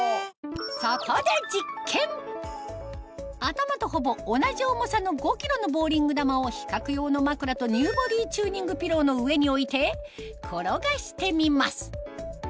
そこで頭とほぼ同じ重さの５ｋｇのボウリング球を比較用の枕とＮＥＷボディーチューニングピローの上に置いて転がしてみます